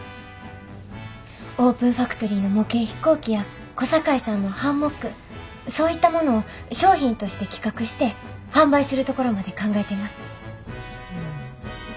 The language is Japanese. オープンファクトリーの模型飛行機や小堺さんのハンモックそういったものを商品として企画して販売するところまで考えてます。